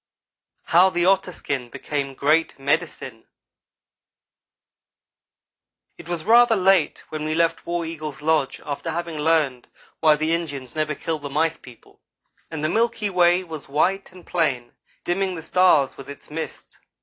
HOW THE OTTER SKIN BECAME GREAT "MEDICINE" IT was rather late when we left War Eagle's lodge after having learned why the Indians never kill the Mice people; and the milky way was white and plain, dimming the stars with its mist.